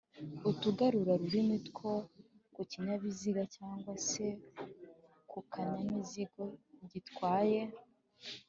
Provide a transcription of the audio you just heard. utugarura rumuri two kukinyabiziga cg se kukanyamizigo gitwaye